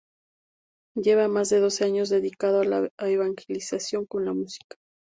Lleva más de doce años dedicado a la evangelización con la música.